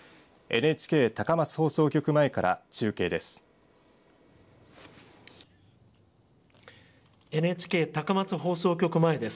ＮＨＫ高松放送局前から中継です。